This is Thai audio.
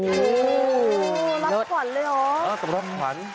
โหรับขวัญเลยเหรอต้องรับขวัญ